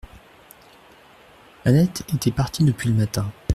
Annette était partie depuis le matin.